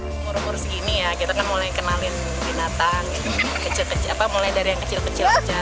umur umur segini ya kita kan mulai kenalin binatang mulai dari yang kecil kecil aja